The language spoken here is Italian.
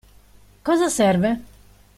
Cosa serve?